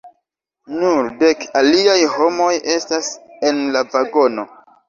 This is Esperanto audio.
Nur dek aliaj homoj estas en la vagono.